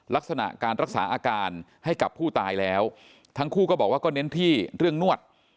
ลักษณะการรักษาอาการให้กับผู้ตายแล้วทั้งคู่ก็บอกว่าก็เน้นที่เรื่องนวด